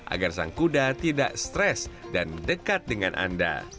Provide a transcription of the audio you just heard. agar sang kuda tidak stres dan dekat dengan anda